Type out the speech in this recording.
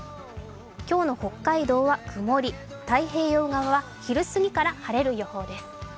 今日の北海道は曇り、太平洋側は昼すぎから晴れる予報です。